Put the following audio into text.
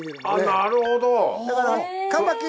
なるほど！